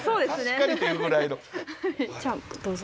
じゃあどうぞ。